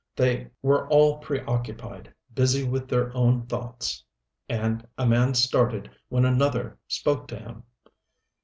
They were all pre occupied, busy with their own thoughts and a man started when another spoke to him.